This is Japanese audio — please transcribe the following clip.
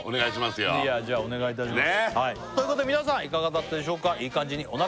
いいねいやじゃあお願いいたしますということで皆さんいかがだったでしょうか？